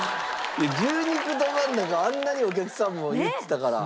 牛肉どまん中あんなにお客さんも言ってたから。